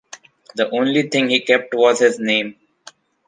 The only thing he kept was his name.